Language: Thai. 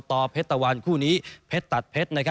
เพชรตะวันคู่นี้เพชรตัดเพชร